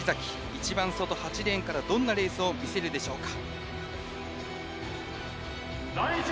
一番外、８レーンからどんなレースを見せるでしょうか。